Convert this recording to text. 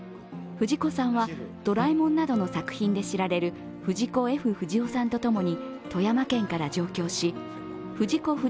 藤子さんは「ドラえもん」などの作品で知られる藤子・Ｆ・不二雄さんとともに富山県から上京し藤子